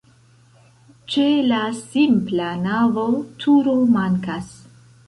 Ĉe la simpla navo turo mankas.